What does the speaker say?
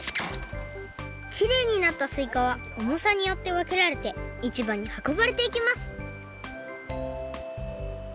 きれいになったすいかはおもさによってわけられていちばにはこばれていきます